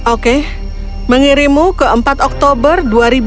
oke mengirimu ke empat oktober dua ribu tujuh belas